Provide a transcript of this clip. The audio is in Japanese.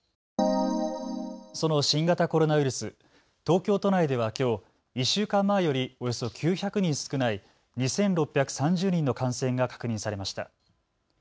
その新型コロナウイルス、東京都内ではきょう１週間前よりおよそ９００人少ない２６３０人の感染が確認されました。